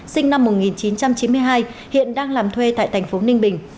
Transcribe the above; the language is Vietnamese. sinh năm một nghìn chín trăm chín mươi hai hiện đang làm thuê tại thành phố ninh bình